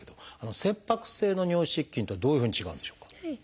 切迫性の尿失禁とはどういうふうに違うんでしょうか？